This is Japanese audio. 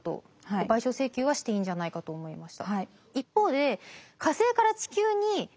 賠償請求はしていいんじゃないかと思いました。